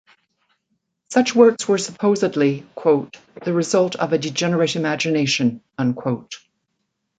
Such works were supposedly "the result of a degenerate imagination".